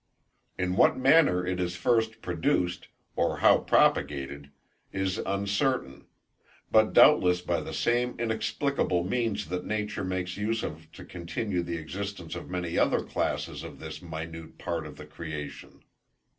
In what manner it is first produced, or how propagated, is uncertain; but doubtless by the same inexplicable means that nature makes use of to continue the existence of many other classes of this minute part of the creation.